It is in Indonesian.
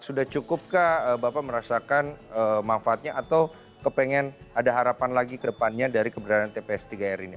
sudah cukupkah bapak merasakan manfaatnya atau kepengen ada harapan lagi ke depannya dari keberadaan tps tiga r ini